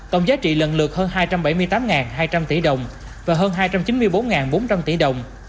tổng giá trị lần lượt hơn hai trăm bảy mươi tám hai trăm linh tỷ đồng và hơn hai trăm chín mươi bốn bốn trăm linh tỷ đồng